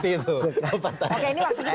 oke ini waktu juga udah mau habis nih